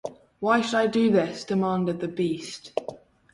Why should I do this? demanded the Beast.